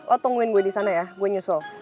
lu tungguin gua di sana ya gua nyusul